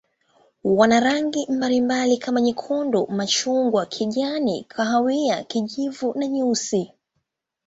Wana rangi mbalimbali kama nyekundu, machungwa, kijani, kahawia, kijivu na nyeusi.